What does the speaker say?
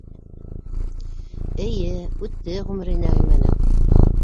Эйе, үтте ғүмере Нәғимәнең.